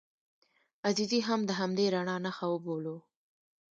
عزیزي هم د همدې رڼا نښه وبولو.